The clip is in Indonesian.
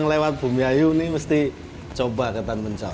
yang lewat bumi ayu ini mesti coba ketan penco